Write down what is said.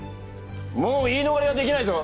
もう言い逃れはできないぞ！